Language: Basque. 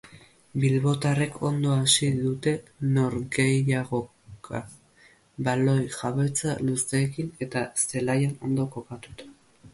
Bilbotarrek ondo hasi dute norgehiagoka, baloi jabetza luzeekin eta zelaian ondo kokatuta.